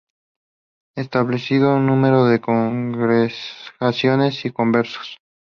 Estableció un número de congregaciones y conversos.